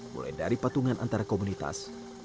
mulai dari patungan antara komunitas